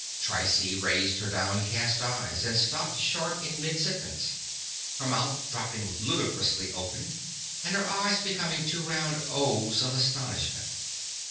Trycie raised her downcast eyes and stopped short in mid sentence; her mouth dropping ludicrously open and her eyes becoming two round O's of astonishment.